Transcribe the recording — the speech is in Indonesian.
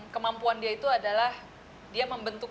kemampuan dia itu adalah dia membentuk